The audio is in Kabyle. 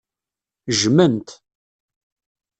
Jjmen-t.